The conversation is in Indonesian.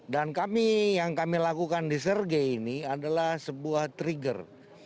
kami yang kami lakukan di sergei ini adalah sebuah trigger